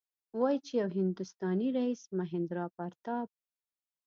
وايي چې یو هندوستانی رئیس مهیندراپراتاپ.